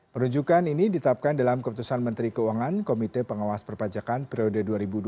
penunjukan ini ditapkan dalam keputusan menteri keuangan komite pengawas perpajakan periode dua ribu dua puluh tiga dua ribu dua puluh enam